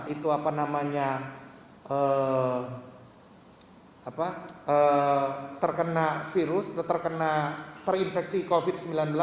itu apa namanya terkena virus terinfeksi covid sembilan belas